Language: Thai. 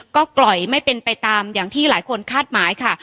ก็ปล่อยไม่เป็นไปตามอย่างที่หลายคนคาดหมายค่ะ